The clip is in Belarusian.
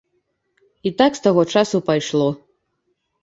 І так з таго часу пайшло.